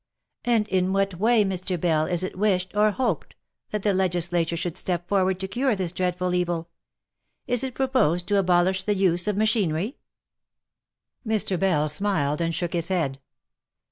" And in what way, Mr. Bell, is it wished, or hoped, that the legis OP MICHAEL ARMSTRONG. 206 lature should step forward to cure this dreadful evil ? Is it proposed to abolish the use of machinery T Mr. Bell smiled, and shook his head.